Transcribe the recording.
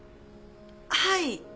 はい。